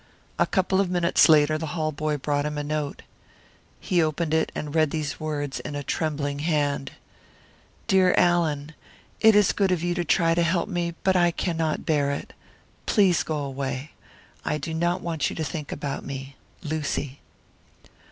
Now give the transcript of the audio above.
A couple of minutes later, the hall boy brought him a note. He opened it and read these words, in a trembling hand: "Dear Allan: It is good of you to try to help me, but I cannot bear it. Please go away. I do not want you to think about me. Lucy."